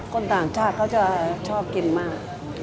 คนต่างชาติเขาจะชอบกินมาก